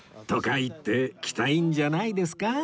言って着たいんじゃないですか？